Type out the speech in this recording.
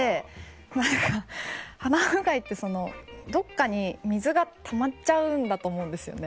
何か鼻うがいってどっかに水がたまっちゃうんだと思うんですよね。